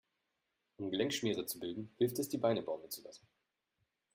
Um Gelenkschmiere zu bilden, hilft es, die Beine baumeln zu lassen.